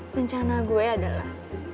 rencana gue adalah